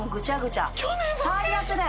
最悪だよ。